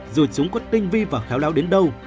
dù chúng có tinh vi và khéo léo đến đâu